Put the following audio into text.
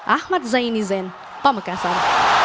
ahmad zaini zen pemekasan